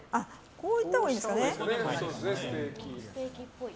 こういったほうがいいですかね。